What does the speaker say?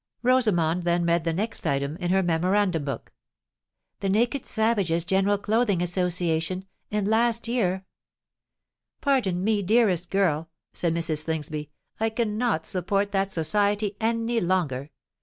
Rosamond then read the next item in her memorandum book. "The Naked Savages General Clothing Association; and last year——" "Pardon me, dearest girl," said Mrs. Slingsby, "I cannot support that Society any longer.